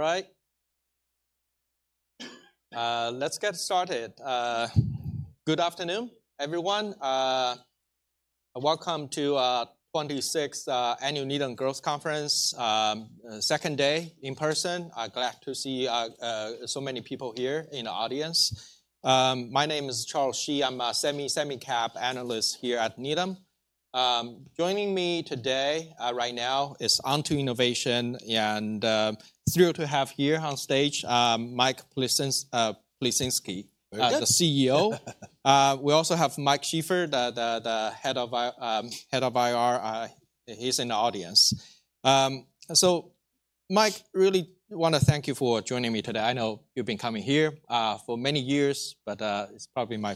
All right. Let's get started. Good afternoon, everyone. Welcome to the 26th annual Needham Growth Conference, 2nd day in person. Glad to see so many people here in the audience. My name is Charles Shi. I'm a semicap analyst here at Needham. Joining me today, right now, is Onto Innovation, and thrilled to have here on stage, Mike Plisinski. Very good. as the CEO. We also have Mike Sheaffer, Head of IR. He's in the audience. So Mike, really wanna thank you for joining me today. I know you've been coming here for many years, but it's probably my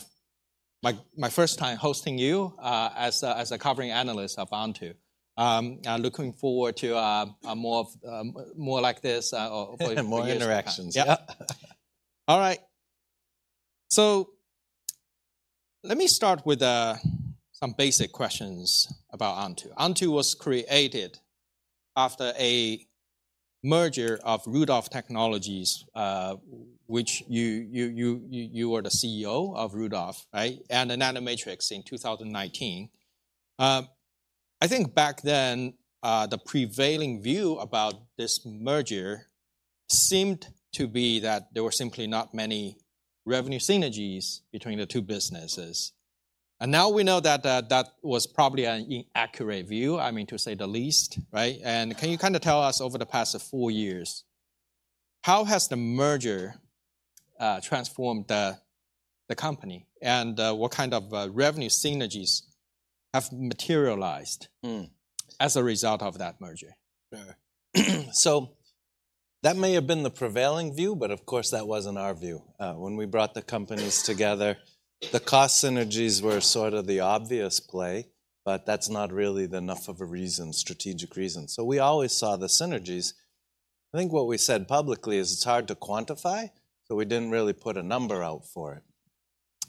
first time hosting you as a covering analyst of Onto. I'm looking forward to more of more like this, hopefully- More interactions. Yep. All right. So let me start with some basic questions about Onto. Onto was created after a merger of Rudolph Technologies, which you were the CEO of Rudolph, right? And Nanometrics in 2019. I think back then, the prevailing view about this merger seemed to be that there were simply not many revenue synergies between the two businesses, and now we know that that was probably an inaccurate view, I mean, to say the least, right? And can you kind of tell us, over the past four years, how has the merger transformed the company, and what kind of revenue synergies have materialized- Mm. as a result of that merger? Sure. So that may have been the prevailing view, but of course, that wasn't our view. When we brought the companies together, the cost synergies were sort of the obvious play, but that's not really enough of a reason, strategic reason. So we always saw the synergies. I think what we said publicly is it's hard to quantify, so we didn't really put a number out for it.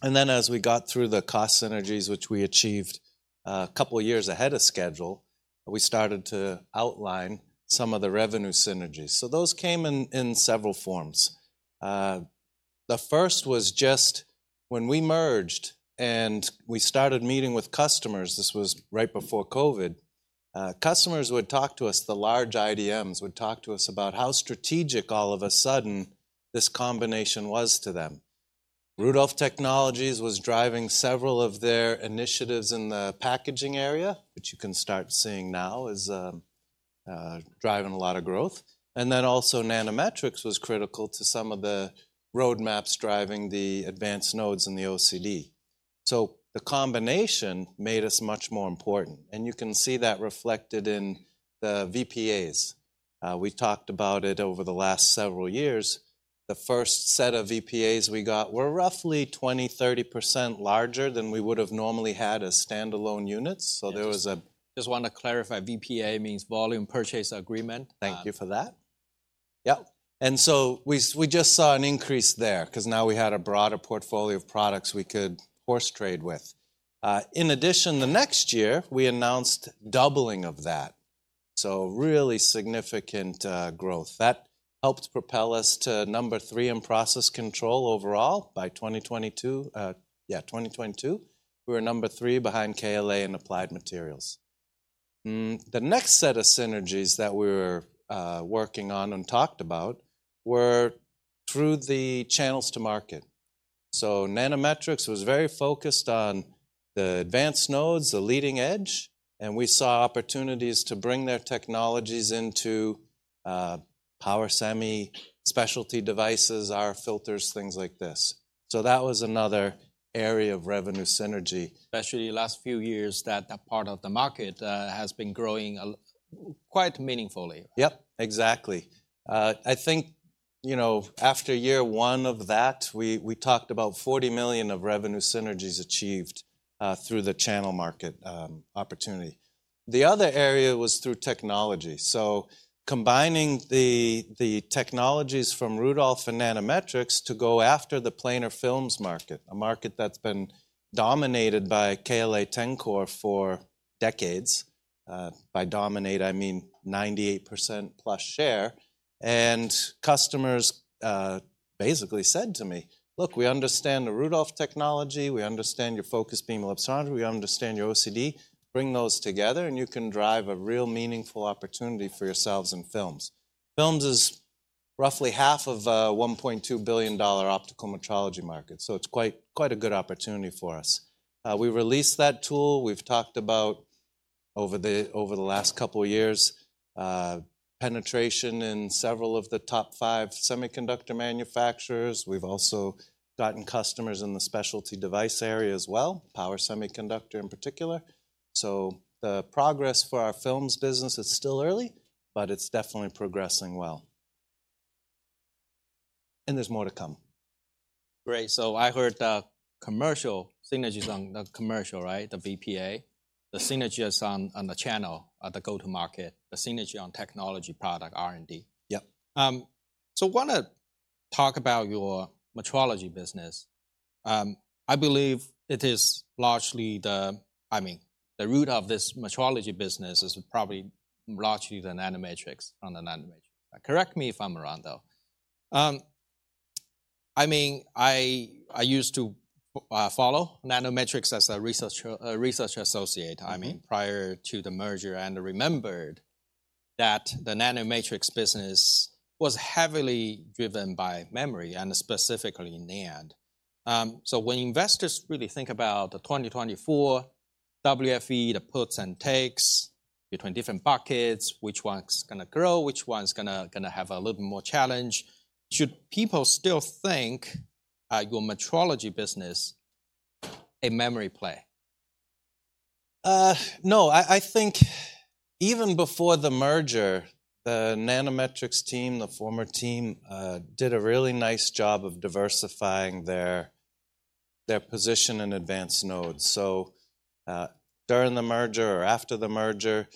And then, as we got through the cost synergies, which we achieved, a couple of years ahead of schedule, we started to outline some of the revenue synergies. So those came in, in several forms. The first was just when we merged, and we started meeting with customers, this was right before COVID, customers would talk to us, the large IDMs would talk to us about how strategic all of a sudden this combination was to them. Rudolph Technologies was driving several of their initiatives in the packaging area, which you can start seeing now is driving a lot of growth. Then also, Nanometrics was critical to some of the roadmaps driving the advanced nodes in the OCD. The combination made us much more important, and you can see that reflected in the VPAs. We've talked about it over the last several years. The first set of VPAs we got were roughly 20%-30% larger than we would've normally had as standalone units. There was a- Just wanna clarify, VPA means Volume Purchase Agreement. Thank you for that. Yep, and so we just saw an increase there 'cause now we had a broader portfolio of products we could horse trade with. In addition, the next year, we announced doubling of that, so really significant growth. That helped propel us to number 3 in process control overall by 2022. Yeah, 2022, we were number 3 behind KLA and Applied Materials. The next set of synergies that we were working on and talked about were through the channels to market. So Nanometrics was very focused on the advanced nodes, the leading edge, and we saw opportunities to bring their technologies into power semi, specialty devices, our filters, things like this. So that was another area of revenue synergy. Especially the last few years, that part of the market has been growing quite meaningfully. Yep, exactly. I think, you know, after year one of that, we talked about $40 million of revenue synergies achieved through the channel market opportunity. The other area was through technology, so combining the technologies from Rudolph and Nanometrics to go after the planar films market, a market that's been dominated by KLA-Tencor for decades. By dominate, I mean 98%+ share. Customers basically said to me, "Look, we understand the Rudolph technology. We understand your focused beam lithography. We understand your OCD. Bring those together, and you can drive a real meaningful opportunity for yourselves in films." Films is roughly half of a $1.2 billion optical metrology market, so it's quite a good opportunity for us. We released that tool. We've talked about, over the last couple of years, penetration in several of the top five semiconductor manufacturers. We've also gotten customers in the specialty device area as well, power semiconductor in particular. So the progress for our films business is still early, but it's definitely progressing well. And there's more to come. Great, so I heard, commercial synergies on the commercial, right, the VPA? The synergies on, on the channel, the go-to-market, the synergy on technology product R&D. Yep. So one of-... talk about your metrology business. I believe it is largely the, I mean, the root of this metrology business is probably largely the Nanometrics from the Nanometrics. Correct me if I'm wrong, though. I mean, I used to follow Nanometrics as a research associate- Mm-hmm. I mean, prior to the merger, and remembered that the Nanometrics business was heavily driven by memory, and specifically NAND. So when investors really think about the 2024 WFE, the puts and takes between different buckets, which one's gonna grow, which one's gonna have a little more challenge, should people still think your metrology business a memory play? No. I think even before the merger, the Nanometrics team, the former team, did a really nice job of diversifying their position in advanced nodes. So, during the merger or after the merger,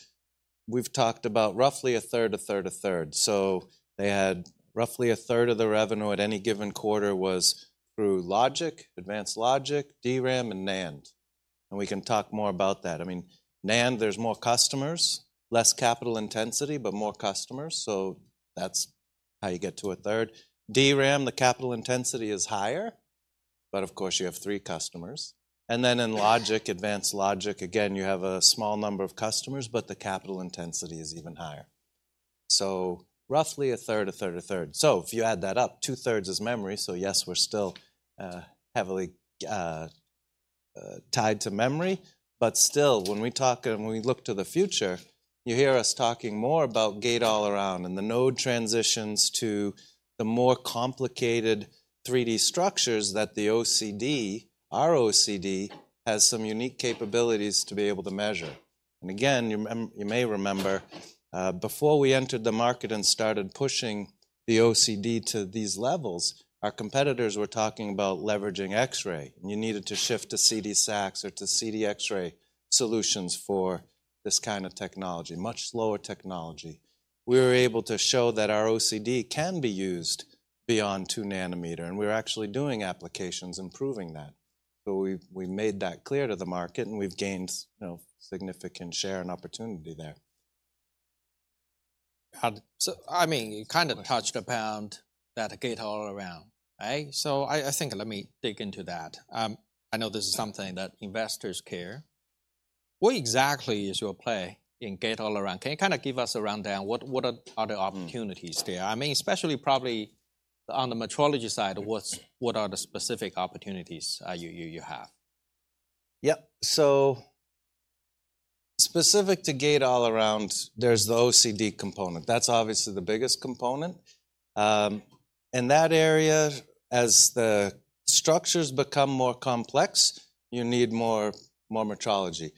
we've talked about roughly a third, a third, a third. So they had roughly a third of the revenue at any given quarter was through logic, advanced logic, DRAM, and NAND. And we can talk more about that. I mean, NAND, there's more customers, less capital intensity, but more customers, so that's how you get to a third. DRAM, the capital intensity is higher, but of course, you have three customers. And then in logic, advanced logic, again, you have a small number of customers, but the capital intensity is even higher. So roughly a third, a third, a third. So if you add that up, two-thirds is memory, so yes, we're still heavily tied to memory. But still, when we talk and when we look to the future, you hear us talking more about Gate-All-Around and the node transitions to the more complicated 3D structures that the OCD, our OCD, has some unique capabilities to be able to measure. And again, you may remember, before we entered the market and started pushing the OCD to these levels, our competitors were talking about leveraging X-ray, and you needed to shift to CD-SAXS or to CD X-ray solutions for this kind of technology, much slower technology. We were able to show that our OCD can be used beyond 2 nanometer, and we're actually doing applications and proving that. So we've made that clear to the market, and we've gained, you know, significant share and opportunity there. So, I mean, you kind of touched upon that Gate-All-Around, right? So I think let me dig into that. I know this is something that investors care. What exactly is your play in Gate-All-Around? Can you kind of give us a rundown? What are the opportunities there? I mean, especially probably on the metrology side, what are the specific opportunities you have? Yeah. So specific to Gate-All-Around, there's the OCD component. That's obviously the biggest component. In that area, as the structures become more complex, you need more, more metrology,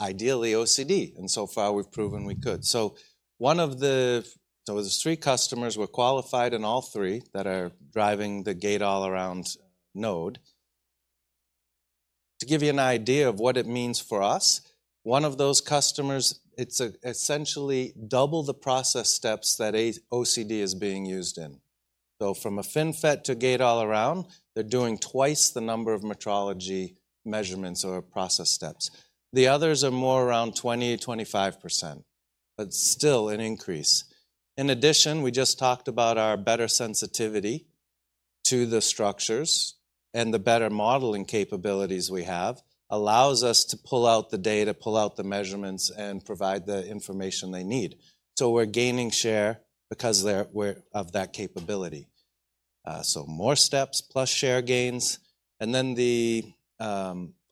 ideally OCD, and so far, we've proven we could. So one of the... There was 3 customers were qualified, and all 3 that are driving the Gate-All-Around node. To give you an idea of what it means for us, one of those customers, it's essentially double the process steps that an OCD is being used in. So from a FinFET to Gate-All-Around, they're doing twice the number of metrology measurements or process steps. The others are more around 20%-25%, but still an increase. In addition, we just talked about our better sensitivity to the structures and the better modeling capabilities we have, allows us to pull out the data, pull out the measurements, and provide the information they need. So we're gaining share because they're-- we're-- of that capability. So more steps plus share gains. And then the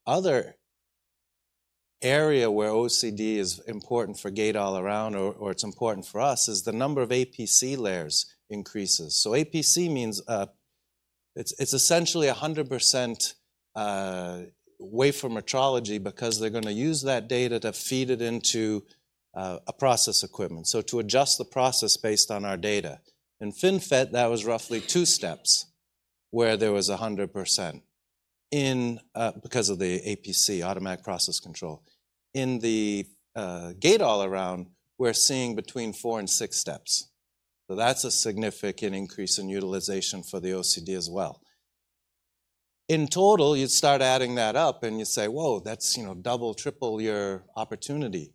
other area where OCD is important for Gate-All-Around or it's important for us, is the number of APC layers increases. So APC means, it's essentially 100% way from metrology because they're gonna use that data to feed it into a process equipment. So to adjust the process based on our data. In FinFET, that was roughly two steps where there was 100% in because of the APC, automatic process control. In the Gate-All-Around, we're seeing between four and six steps. So that's a significant increase in utilization for the OCD as well. In total, you'd start adding that up and you say, "Whoa, that's, you know, double, triple your opportunity."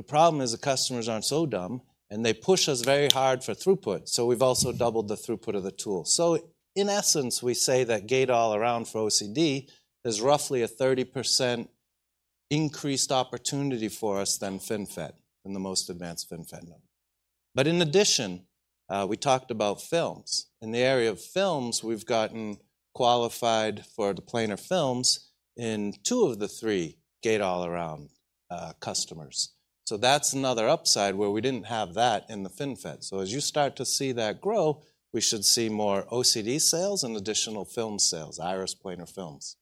The problem is, the customers aren't so dumb, and they push us very hard for throughput, so we've also doubled the throughput of the tool. So in essence, we say that Gate-All-Around for OCD is roughly a 30% increased opportunity for us than FinFET, than the most advanced FinFET node. But in addition, we talked about films. In the area of films, we've gotten qualified for the Planar Films in two of the three Gate-All-Around customers. So that's another upside where we didn't have that in the FinFET. So as you start to see that grow, we should see more OCD sales and additional film sales, Iris Planar Films.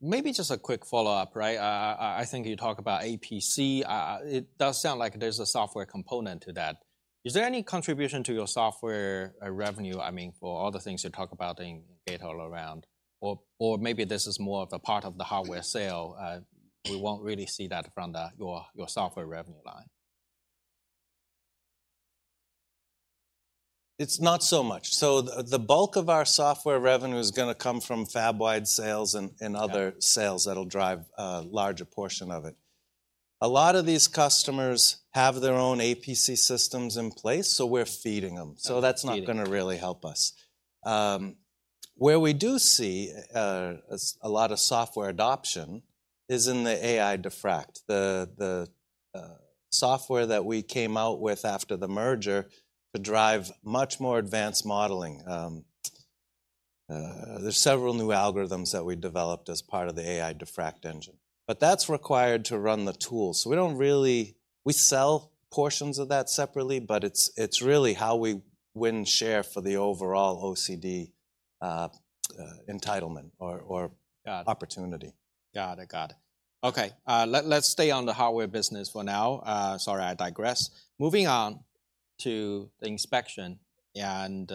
Maybe just a quick follow-up, right? I think you talk about APC. It does sound like there's a software component to that. Is there any contribution to your software revenue, I mean, for all the things you talk about in Gate-All-Around? Or maybe this is more of a part of the hardware sale; we won't really see that from your software revenue line? It's not so much. So the bulk of our software revenue is gonna come from fab-wide sales and- Yeah... other sales that'll drive a larger portion of it. A lot of these customers have their own APC systems in place, so we're feeding them. Feeding. So that's not gonna really help us. Where we do see a lot of software adoption is in the AI-Diffract. The software that we came out with after the merger to drive much more advanced modeling. There's several new algorithms that we developed as part of the AI-Diffract engine, but that's required to run the tool, so we don't really. We sell portions of that separately, but it's really how we win share for the overall OCD entitlement or. Got it... opportunity. Got it. Got it. Okay, let's stay on the hardware business for now. Sorry, I digress. Moving on to the inspection, and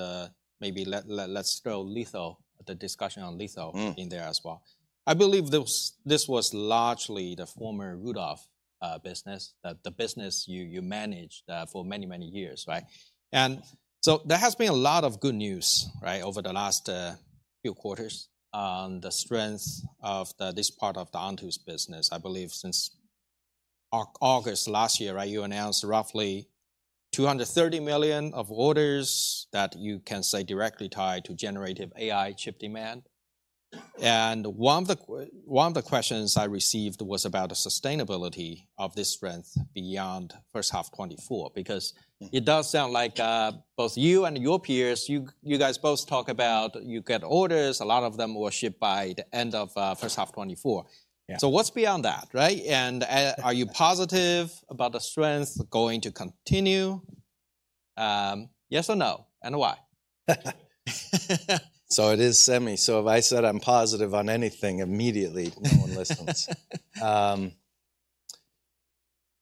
maybe let's throw litho, the discussion on litho- Mm... in there as well. I believe this was largely the former Rudolph business, the business you managed for many, many years, right? And so there has been a lot of good news, right, over the last few quarters on the strength of this part of Onto's business. I believe since August last year, right, you announced roughly $230 million of orders that you can say directly tied to generative AI chip demand. Mm. One of the questions I received was about the sustainability of this strength beyond first half 2024. Mm. Because it does sound like both you and your peers, you, you guys both talk about you get orders, a lot of them were shipped by the end of first half 2024. Yeah. So what's beyond that, right? And, are you positive about the strength going to continue, yes or no, and why? So it is semi. So if I said I'm positive on anything, immediately no one listens.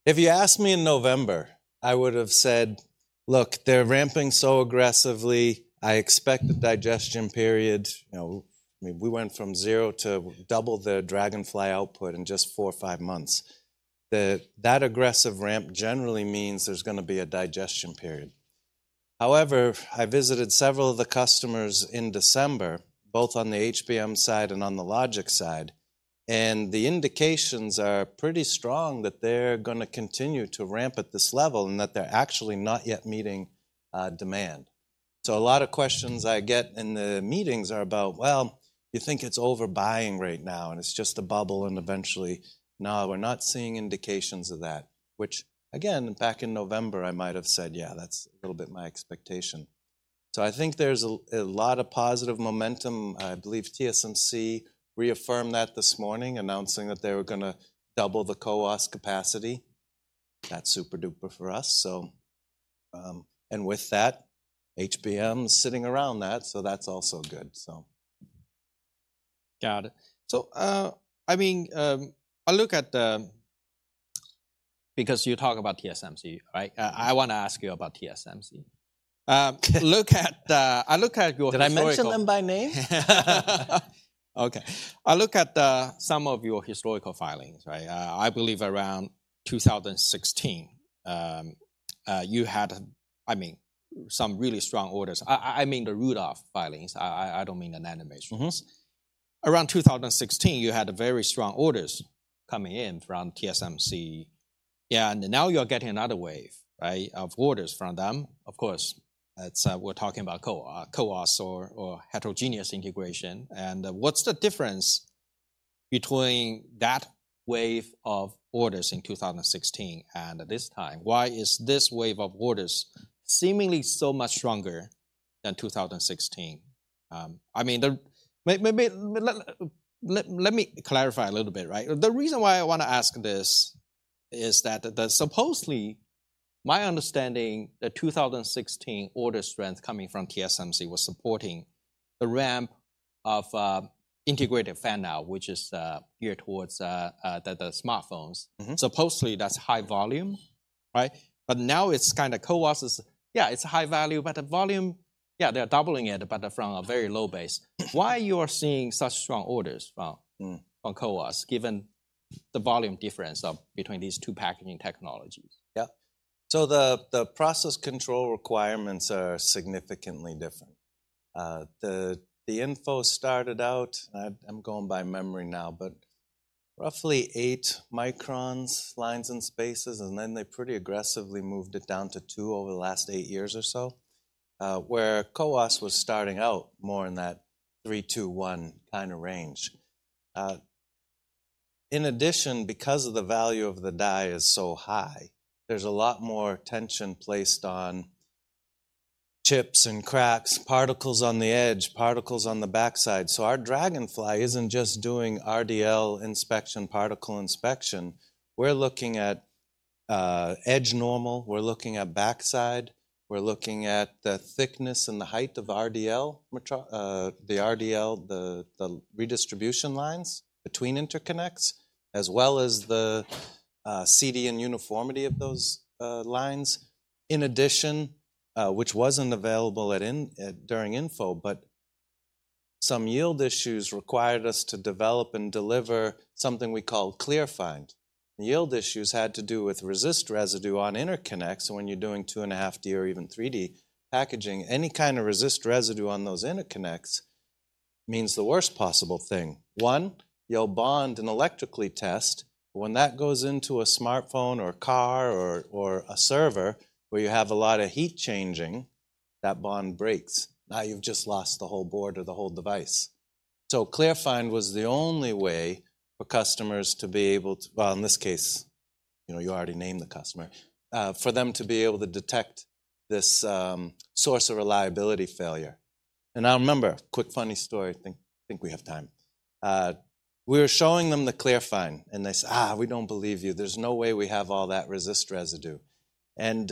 If you asked me in November, I would've said: Look, they're ramping so aggressively, I expect a digestion period. You know, I mean, we went from 0 to double the Dragonfly output in just four or five months. That aggressive ramp generally means there's gonna be a digestion period. However, I visited several of the customers in December, both on the HBM side and on the logic side, and the indications are pretty strong that they're gonna continue to ramp at this level and that they're actually not yet meeting demand. So a lot of questions I get in the meetings are about, "Well, you think it's overbuying right now, and it's just a bubble, and eventually..." No, we're not seeing indications of that. Which, again, back in November, I might have said, "Yeah, that's a little bit my expectation." So I think there's a lot of positive momentum. I believe TSMC reaffirmed that this morning, announcing that they were gonna double the CoWoS capacity. That's super-duper for us. So. And with that, HBM is sitting around that, so that's also good, so. Got it. So, I mean, I look at... Because you talk about TSMC, right? I wanna ask you about TSMC. Look at, I look at your historical- Did I mention them by name? Okay. I look at some of your historical filings, right? I believe around 2016, you had, I mean, some really strong orders. I mean the Rudolph filings. I don't mean Onto Innovation. Mm-hmm. Around 2016, you had very strong orders coming in from TSMC. Yeah, and now you're getting another wave, right, of orders from them. Of course, that's, we're talking about CoWoS or heterogeneous integration. And what's the difference between that wave of orders in 2016 and this time? Why is this wave of orders seemingly so much stronger than 2016? I mean, maybe let me clarify a little bit, right? The reason why I wanna ask this is that, supposedly, my understanding, the 2016 order strength coming from TSMC was supporting the ramp of Integrated Fan-Out, which is geared towards the smartphones. Mm-hmm. Supposedly, that's high volume, right? But now it's kind of CoWoS is, yeah, it's high value, but the volume, yeah, they're doubling it, but from a very low base. Why you are seeing such strong orders from- Mm... from CoWoS, given the volume difference between these two packaging technologies? Yeah. So the process control requirements are significantly different. The InFO started out, I'm going by memory now, but roughly 8 microns lines and spaces, and then they pretty aggressively moved it down to 2 over the last eight years or so. Where CoWoS was starting out more in that 3, 2, 1 kind of range. In addition, because the value of the die is so high, there's a lot more tension placed on chips and cracks, particles on the edge, particles on the backside. So our Dragonfly isn't just doing RDL inspection, particle inspection, we're looking at edge normal, we're looking at backside, we're looking at the thickness and the height of the RDL, the redistribution lines between interconnects, as well as the CD and uniformity of those lines. In addition, which wasn't available at in during InFO, but-... some yield issues required us to develop and deliver something we call ClearFind. The yield issues had to do with resist residue on interconnects, so when you're doing 2.5D or even 3D packaging, any kind of resist residue on those interconnects means the worst possible thing. One, you'll bond and electrically test, but when that goes into a smartphone or a car or a server, where you have a lot of heat changing, that bond breaks. Now you've just lost the whole board or the whole device. So ClearFind was the only way for customers to be able to, well, in this case, you know, you already named the customer, for them to be able to detect this source of reliability failure. And I remember, quick, funny story, I think we have time. We were showing them the ClearFind, and they said, "we don't believe you. There's no way we have all that resist residue." And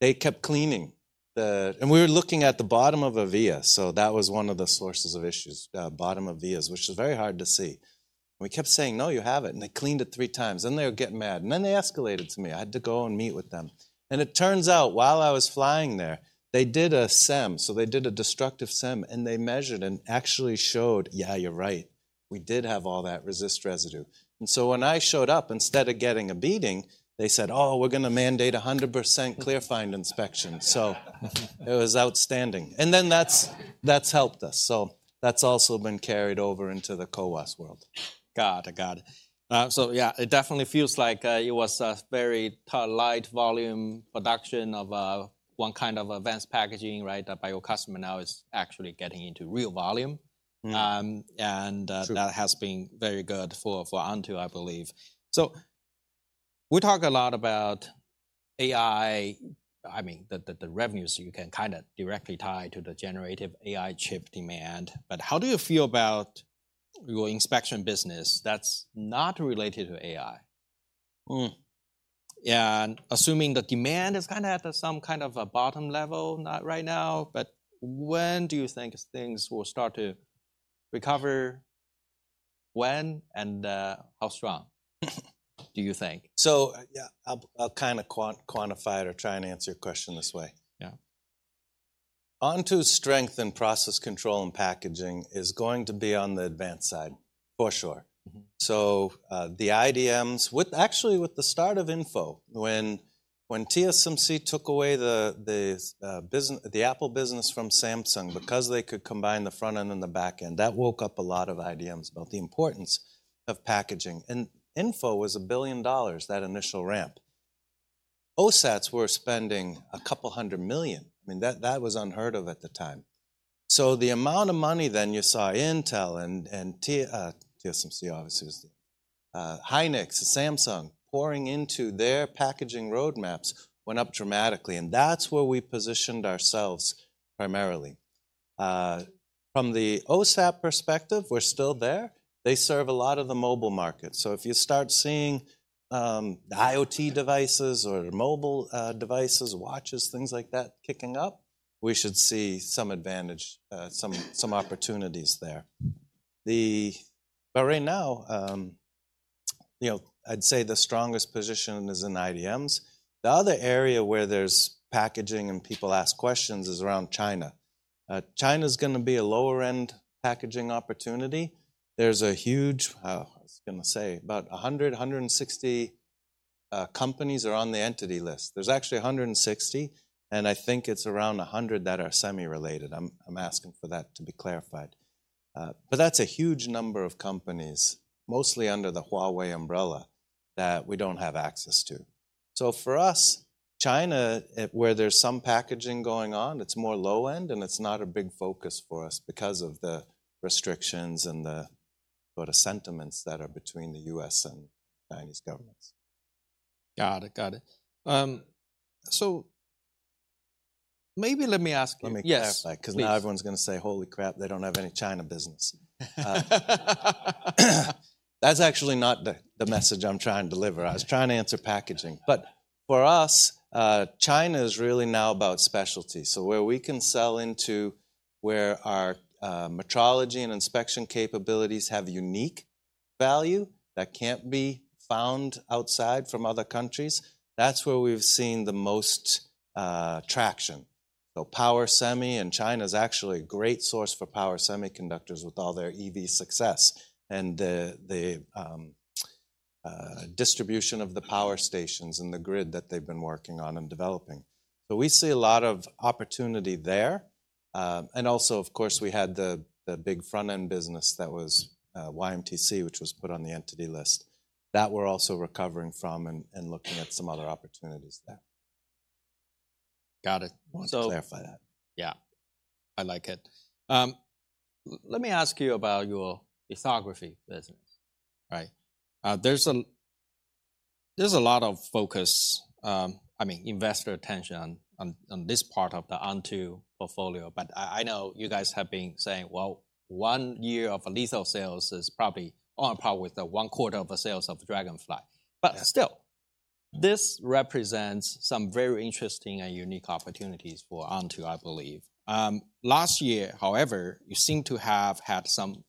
they kept cleaning the... We were looking at the bottom of a via, so that was one of the sources of issues, the bottom of vias, which is very hard to see. And we kept saying, "No, you have it," and they cleaned it three times, then they were getting mad, and then they escalated to me. I had to go and meet with them. And it turns out, while I was flying there, they did a SEM. So they did a destructive SEM, and they measured and actually showed, "Yeah, you're right. We did have all that resist residue." And so when I showed up, instead of getting a beating, they said, "Oh, we're going to mandate 100% ClearFind inspection." So it was outstanding. And then that's, that's helped us, so that's also been carried over into the CoWoS world. Got it. Got it. So yeah, it definitely feels like it was a very light volume production of one kind of advanced packaging, right? By your customer now is actually getting into real volume. Mm. Um, and, uh- True... that has been very good for Onto, I believe. So we talk a lot about AI, I mean, the revenues you can kind of directly tie to the generative AI chip demand, but how do you feel about your inspection business that's not related to AI? Hmm. Yeah, and assuming the demand is kind of at some kind of a bottom level, not right now, but when do you think things will start to recover? When and, how strong do you think? So, yeah, I'll kind of quantify it or try and answer your question this way. Yeah. Onto's strength in process control and packaging is going to be on the advanced side, for sure. Mm-hmm. So, the IDMs, actually, with the start of InFO, when TSMC took away the business, the Apple business from Samsung because they could combine the front end and the back end, that woke up a lot of IDMs about the importance of packaging. And InFO was $1 billion, that initial ramp. OSATs were spending $200 million. I mean, that was unheard of at the time. So the amount of money then you saw Intel and TSMC, obviously, Hynix and Samsung pouring into their packaging roadmaps went up dramatically, and that's where we positioned ourselves primarily. From the OSAT perspective, we're still there. They serve a lot of the mobile market. So if you start seeing IoT devices or mobile devices, watches, things like that, kicking up, we should see some advantage, some opportunities there. But right now, you know, I'd say the strongest position is in IDMs. The other area where there's packaging and people ask questions is around China. China's going to be a lower-end packaging opportunity. There's a huge, I was going to say, about 160 companies are on the entity list. There's actually 160, and I think it's around 100 that are semi-related. I'm asking for that to be clarified. But that's a huge number of companies, mostly under the Huawei umbrella, that we don't have access to. So for us, China, where there's some packaging going on, it's more low end, and it's not a big focus for us because of the restrictions and the, well, the sentiments that are between the U.S. and Chinese governments. Got it. Got it. So maybe let me ask you- Let me clarify- Yes, please. Because now everyone's going to say, "Holy crap, they don't have any China business." That's actually not the message I'm trying to deliver. I was trying to answer packaging. But for us, China is really now about specialty. So where we can sell into where our metrology and inspection capabilities have unique value that can't be found outside from other countries, that's where we've seen the most traction. So power semi, and China is actually a great source for power semiconductors with all their EV success and the distribution of the power stations and the grid that they've been working on and developing. So we see a lot of opportunity there. And also, of course, we had the big front-end business that was YMTC, which was put on the entity list. That, we're also recovering from and looking at some other opportunities there. Got it. Wanted to clarify that. Yeah, I like it. Let me ask you about your lithography business, right? There's a lot of focus, I mean, investor attention on this part of the Onto portfolio, but I know you guys have been saying, well, one year of litho sales is probably on par with Q1 of the sales of Dragonfly. Yeah. But still, this represents some very interesting and unique opportunities for Onto, I believe. Last year, however, you seem to have had some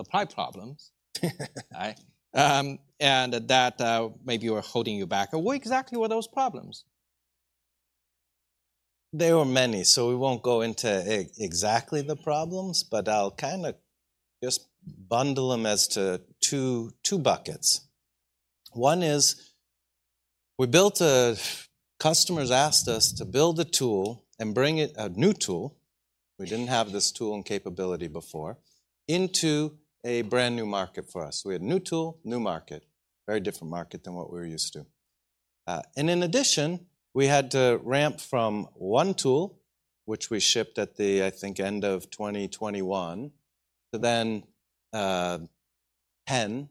supply problems. Right? And that, maybe were holding you back. What exactly were those problems?... There were many, so we won't go into exactly the problems, but I'll kind of just bundle them into two buckets. One is, we built a—customers asked us to build a tool and bring it, a new tool, we didn't have this tool and capability before, into a brand-new market for us. We had a new tool, new market. Very different market than what we were used to. And in addition, we had to ramp from 1 tool, which we shipped at the, I think, end of 2021, to then, 10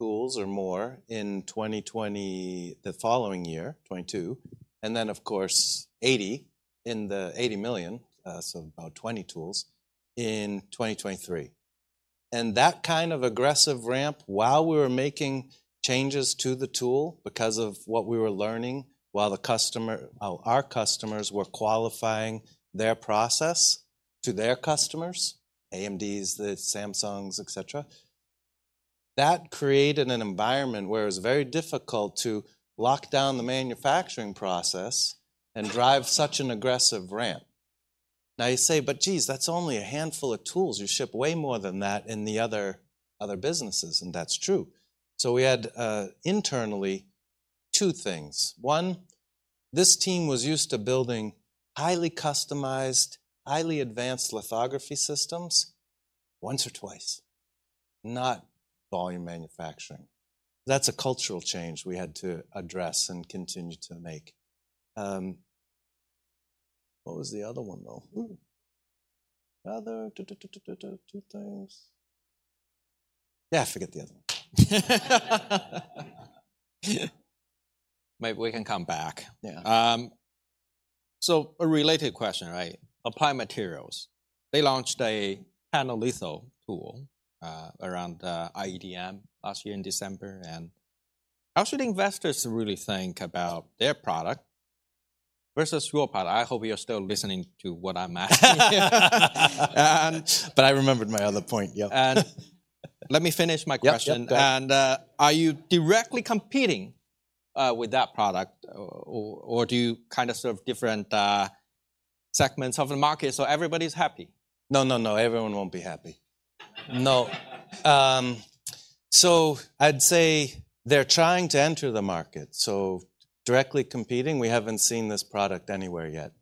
tools or more in 2022, the following year, '22, and then, of course, 80 in the $80 million, so about 20 tools, in 2023. And that kind of aggressive ramp, while we were making changes to the tool because of what we were learning, while the customer, our customers were qualifying their process to their customers, AMD's, the Samsungs, et cetera. That created an environment where it's very difficult to lock down the manufacturing process and drive such an aggressive ramp. Now, you say: "But jeez, that's only a handful of tools. You ship way more than that in the other businesses," and that's true. So we had, internally, two things. One, this team was used to building highly customized, highly advanced lithography systems once or twice, not volume manufacturing. That's a cultural change we had to address and continue to make. What was the other one, though? Two things. Yeah, forget the other one. Maybe we can come back. Yeah. A related question, right? Applied Materials, they launched a panel litho tool around IEDM last year in December, and how should investors really think about their product versus your product? I hope you're still listening to what I'm asking. But I remembered my other point, yeah. Let me finish my question. Yep, yep, go ahead. Are you directly competing with that product, or do you kind of serve different segments of the market, so everybody's happy? No, no, no, everyone won't be happy. No. So I'd say they're trying to enter the market, so directly competing, we haven't seen this product anywhere yet.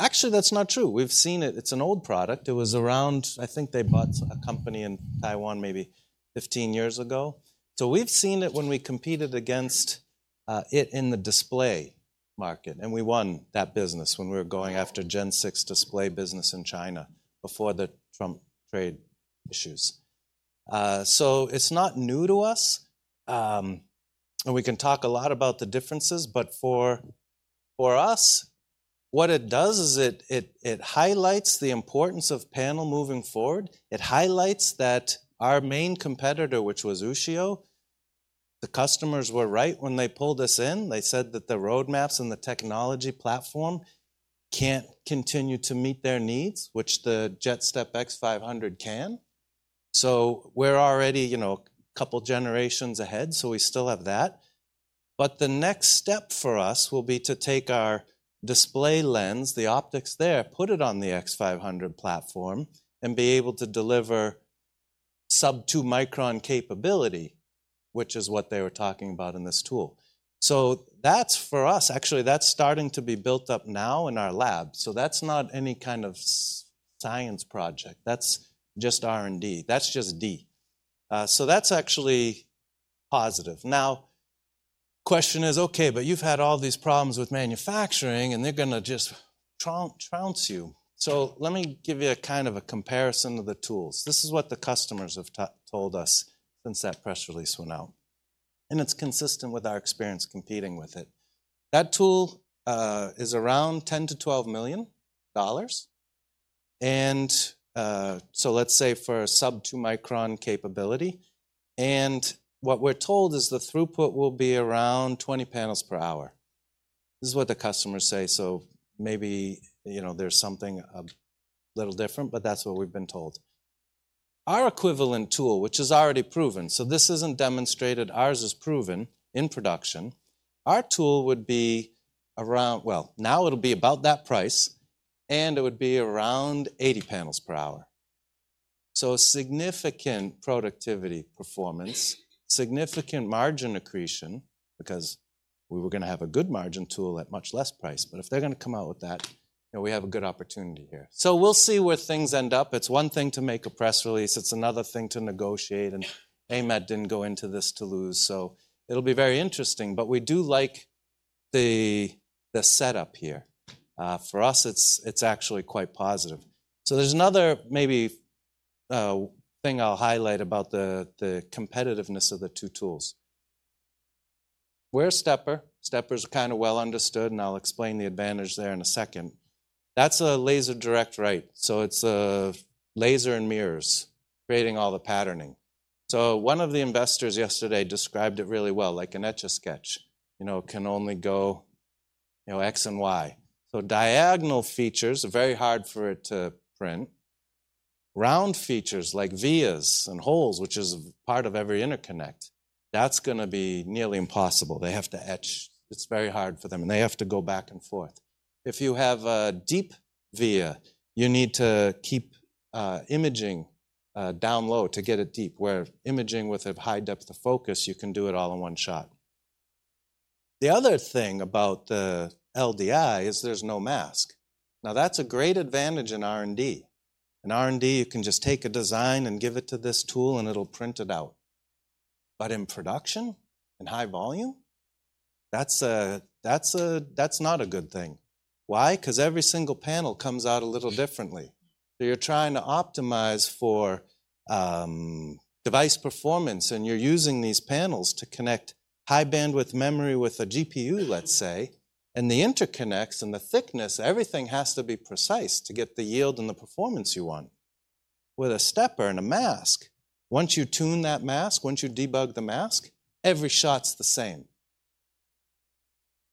Actually, that's not true. We've seen it. It's an old product. It was around, I think they bought a company in Taiwan maybe 15 years ago. So we've seen it when we competed against it in the display market, and we won that business when we were going after Gen 6 display business in China before the Trump trade issues. So it's not new to us, and we can talk a lot about the differences, but for us, what it does is it highlights the importance of panel moving forward. It highlights that our main competitor, which was Ushio, the customers were right when they pulled us in. They said that the roadmaps and the technology platform can't continue to meet their needs, which the JetStep X500 can. So we're already, you know, a couple generations ahead, so we still have that. But the next step for us will be to take our display lens, the optics there, put it on the X500 platform, and be able to deliver sub 2-micron capability, which is what they were talking about in this tool. So that's, for us, actually, that's starting to be built up now in our lab. So that's not any kind of science project. That's just R&D. That's just D. So that's actually positive. Now, question is, okay, but you've had all these problems with manufacturing, and they're gonna just trounce you. So let me give you a kind of a comparison of the tools. This is what the customers have told us since that press release went out, and it's consistent with our experience competing with it. That tool is around $10-$12 million, so let's say for a sub 2-micron capability, and what we're told is the throughput will be around 20 panels per hour. This is what the customers say, so maybe, you know, there's something a little different, but that's what we've been told. Our equivalent tool, which is already proven, so this isn't demonstrated, ours is proven in production. Our tool would be around—Well, now it'll be about that price, and it would be around 80 panels per hour. So a significant productivity performance, significant margin accretion, because we were gonna have a good margin tool at much less price, but if they're gonna come out with that, then we have a good opportunity here. So we'll see where things end up. It's one thing to make a press release; it's another thing to negotiate, and AMAT didn't go into this to lose, so it'll be very interesting. But we do like the setup here. For us, it's actually quite positive. So there's another maybe thing I'll highlight about the competitiveness of the two tools. We're a stepper. Steppers are kind of well understood, and I'll explain the advantage there in a second. That's a laser direct write, so it's a laser and mirrors creating all the patterning. So one of the investors yesterday described it really well, like an Etch A Sketch. You know, it can only go, you know, X and Y. So diagonal features are very hard for it to print. Round features like vias and holes, which is part of every interconnect, that's gonna be nearly impossible. They have to etch. It's very hard for them, and they have to go back and forth. If you have a deep via, you need to keep imaging down low to get it deep, where imaging with a high depth of focus, you can do it all in one shot. The other thing about the LDI is there's no mask. Now, that's a great advantage in R&D. In R&D, you can just take a design and give it to this tool, and it'll print it out. But in production, in high volume, that's not a good thing. Why? Because every single panel comes out a little differently. So you're trying to optimize for device performance, and you're using these panels to connect high bandwidth memory with a GPU, let's say, and the interconnects and the thickness, everything has to be precise to get the yield and the performance you want. With a stepper and a mask, once you tune that mask, once you debug the mask, every shot's the same.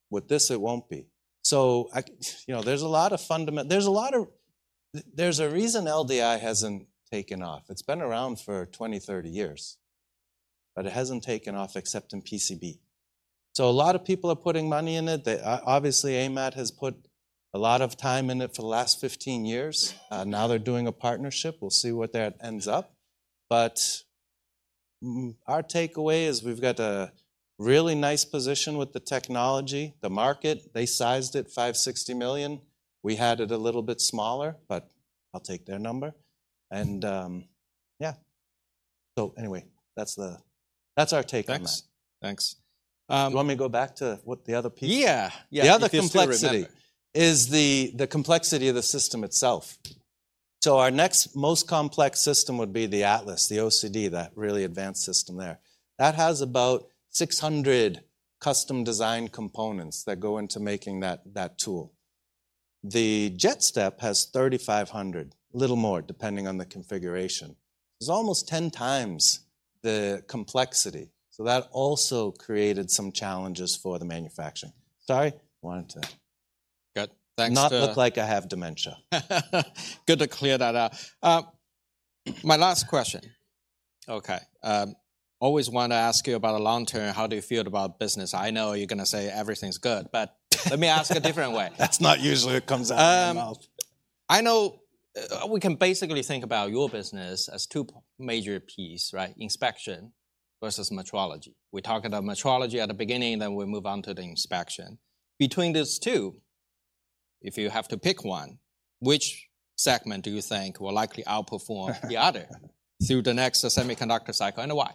With this, it won't be. You know, there's a lot of... There's a reason LDI hasn't taken off. It's been around for 20, 30 years, but it hasn't taken off except in PCB. So a lot of people are putting money in it. Obviously, AMAT has put a lot of time in it for the last 15 years. Now they're doing a partnership. We'll see what that ends up. But, our takeaway is we've got a really nice position with the technology. The market, they sized it $560 million. We had it a little bit smaller, but I'll take their number. And, yeah. So anyway, that's the-- that's our take on that. Thanks. Thanks. You want me to go back to what the other piece- Yeah! Yeah, if you still remember. The other complexity is the complexity of the system itself. So our next most complex system would be the Atlas, the OCD, that really advanced system there. That has about 600 custom-designed components that go into making that tool. The JetStep has 3,500, a little more, depending on the configuration. It's almost 10 times the complexity, so that also created some challenges for the manufacturing. Sorry, wanted to- Good. Thanks to- Not look like I have dementia. Good to clear that up. My last question. Okay, always want to ask you about the long term, how do you feel about business? I know you're going to say everything's good, but let me ask a different way. That's not usually what comes out of my mouth. I know, we can basically think about your business as two major piece, right? Inspection versus metrology. We talked about metrology at the beginning, then we move on to the inspection. Between these two, if you have to pick one, which segment do you think will likely outperform the other through the next semiconductor cycle, and why?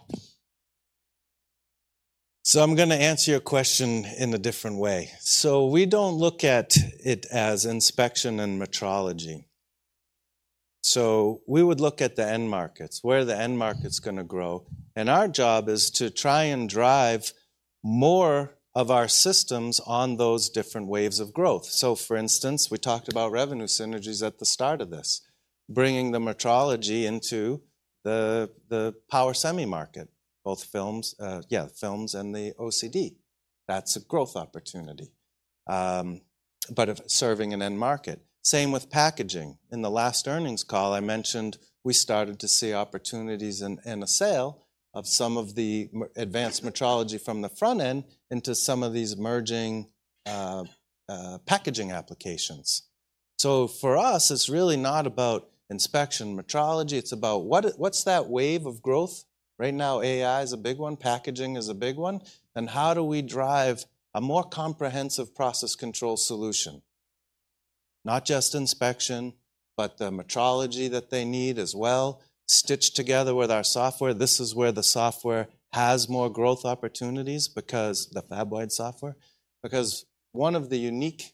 So I'm going to answer your question in a different way. So we don't look at it as inspection and metrology. So we would look at the end markets, where are the end markets going to grow? And our job is to try and drive more of our systems on those different waves of growth. So, for instance, we talked about revenue synergies at the start of this, bringing the metrology into the power semi market, both films, films and the OCD. That's a growth opportunity, but of serving an end market. Same with packaging. In the last earnings call, I mentioned we started to see opportunities and a sale of some of the advanced metrology from the front end into some of these emerging packaging applications. So for us, it's really not about inspection metrology. It's about what's that wave of growth? Right now, AI is a big one, packaging is a big one. And how do we drive a more comprehensive process control solution? Not just inspection, but the metrology that they need as well, stitched together with our software. This is where the software has more growth opportunities, because the fab-wide software. Because one of the unique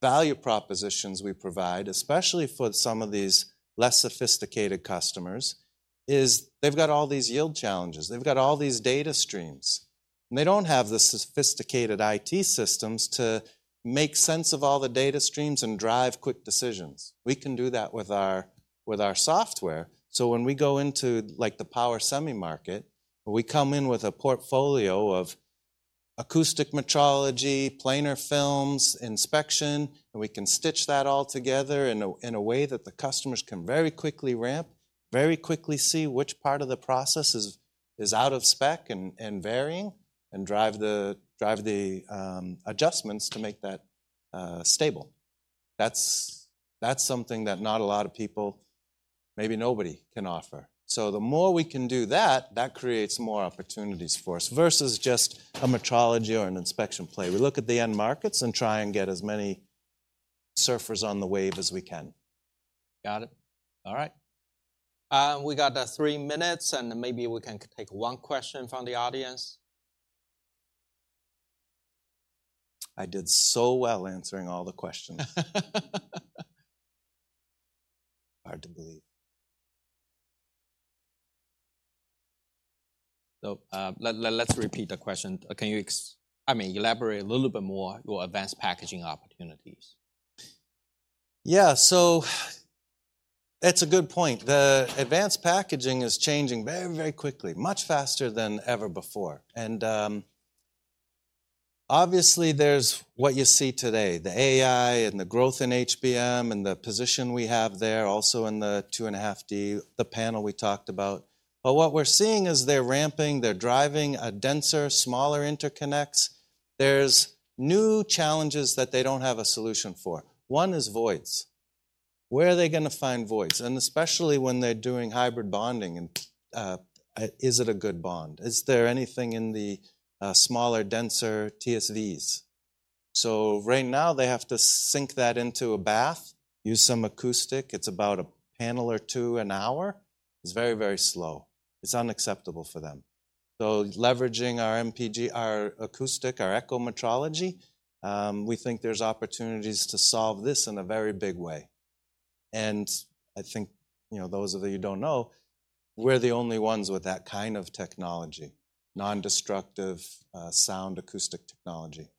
value propositions we provide, especially for some of these less sophisticated customers, is they've got all these yield challenges. They've got all these data streams, and they don't have the sophisticated IT systems to make sense of all the data streams and drive quick decisions. We can do that with our software. So when we go into, like, the power semi market, we come in with a portfolio of acoustic metrology, planar films, inspection, and we can stitch that all together in a way that the customers can very quickly ramp, very quickly see which part of the process is out of spec and varying, and drive the adjustments to make that stable. That's something that not a lot of people, maybe nobody, can offer. So the more we can do that, that creates more opportunities for us, versus just a metrology or an inspection play. We look at the end markets and try and get as many surfers on the wave as we can. Got it. All right. We got 3 minutes, and maybe we can take 1 question from the audience. I did so well answering all the questions. Hard to believe. So, let's repeat the question. Can you, I mean, elaborate a little bit more your advanced packaging opportunities? Yeah, so that's a good point. The advanced packaging is changing very, very quickly, much faster than ever before. And obviously, there's what you see today, the AI and the growth in HBM and the position we have there, also in the 2.5D, the panel we talked about. But what we're seeing is they're ramping, they're driving a denser, smaller interconnects. There's new challenges that they don't have a solution for. One is voids. Where are they gonna find voids? And especially when they're doing hybrid bonding, and is it a good bond? Is there anything in the smaller, denser TSVs? So right now, they have to sink that into a bath, use some acoustic. It's about a panel or two an hour. It's very, very slow. It's unacceptable for them. So leveraging our MPG, our acoustic, our Echo metrology, we think there's opportunities to solve this in a very big way. And I think, you know, those of you who don't know, we're the only ones with that kind of technology, nondestructive, sound acoustic technology.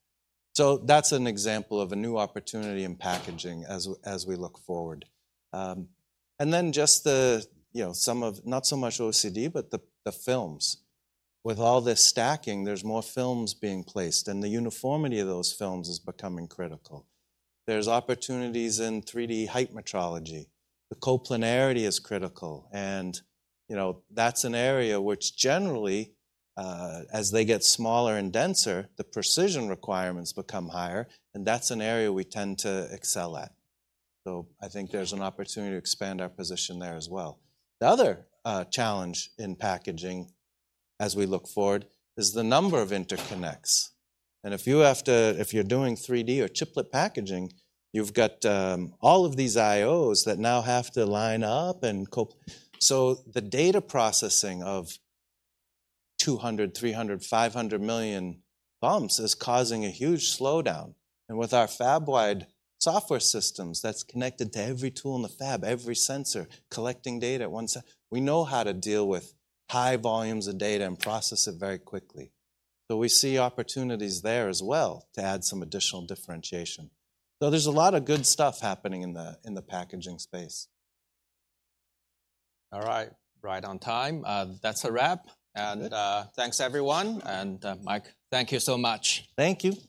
So that's an example of a new opportunity in packaging as we look forward. And then just the, you know, not so much OCD, but the films. With all this stacking, there's more films being placed, and the uniformity of those films is becoming critical. There's opportunities in 3D height metrology. The coplanarity is critical, and, you know, that's an area which generally, as they get smaller and denser, the precision requirements become higher, and that's an area we tend to excel at. So I think there's an opportunity to expand our position there as well. The other challenge in packaging, as we look forward, is the number of interconnects. If you're doing 3D or chiplet packaging, you've got all of these IOs that now have to line up. So the data processing of 200, 300, 500 million bumps is causing a huge slowdown. With our fab-wide software systems that's connected to every tool in the fab, every sensor, collecting data at 1 sec... We know how to deal with high volumes of data and process it very quickly. So we see opportunities there as well to add some additional differentiation. So there's a lot of good stuff happening in the packaging space. All right. Right on time. That's a wrap. Good. And, thanks, everyone. And, Mike, thank you so much. Thank you!